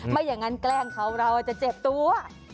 ไม่อย่างนั้นแกล้งเขาเราจะเจ็บตัว